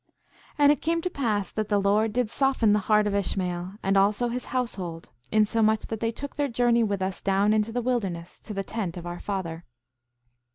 7:5 And it came to pass that the Lord did soften the heart of Ishmael, and also his household, insomuch that they took their journey with us down into the wilderness to the tent of our father.